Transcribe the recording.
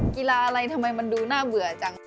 กีฬาอะไรทำไมมันดูน่าเบื่อจัง